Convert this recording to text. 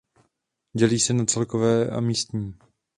Dělí se na celkové a místní.